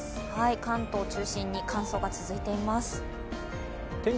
関東中心に乾燥が続いています。